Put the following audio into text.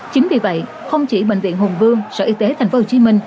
chính vì vậy không chỉ bệnh viện hùng vương sở y tế tp hcm